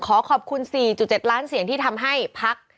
ขอขอบคุณ๔๗ล้านเสียงที่ทำให้พัก